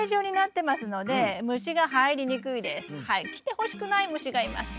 来てほしくない虫がいます。